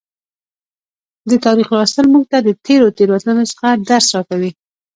د تاریخ لوستل موږ ته د تیرو تیروتنو څخه درس راکوي.